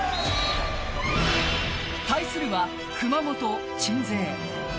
対するは熊本・鎮西。